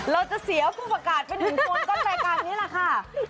เราจะเสียผู้ประกาศเป็นหนึ่งคนต้นรายการนี้แหละค่ะ